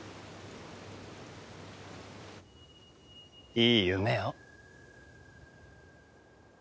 いい夢を。